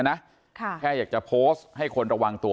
แค่อยากจะโพสต์ให้คนระวังตัว